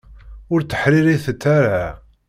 Ur tteḥṛiṛitet ara!